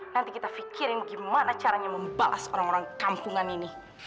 nanti kita pikirin gimana caranya membalas orang orang kampungan ini